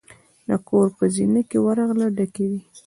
د کور په زینه کې ورغله ډکې وې.